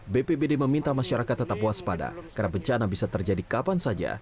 bpbd meminta masyarakat tetap waspada karena bencana bisa terjadi kapan saja